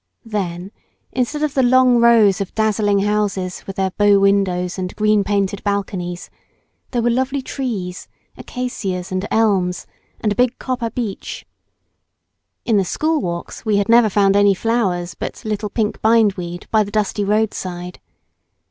Then, instead of the long rows of dazzling houses with their bow windows and green painted balconies, there were lovely trees acacias and elms, and a big copper beech. In the school walks we never had found any flowers but little pink bind weed, by the dusty roadside.